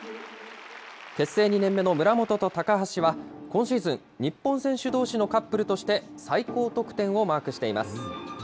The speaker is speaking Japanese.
結成２年目の村元と高橋は、今シーズン、日本選手どうしのカップルとして、最高得点をマークしています。